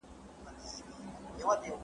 هیلې مه بایلئ.